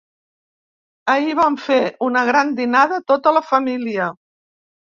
Ahir vam fer una gran dinada tota la família.